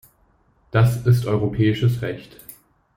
Das ist europäisches Recht.